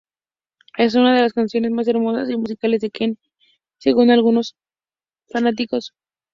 Es una de las canciones más hermosas y musicales de Queen, según algunos fanáticos.